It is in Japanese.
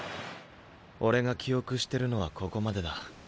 俺が記憶してるのはここまでだ。